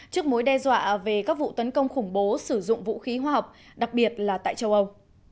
trước mối đe dọa về các vụ tấn công khủng bố sử dụng vũ khí hóa học đặc biệt là tại châu âu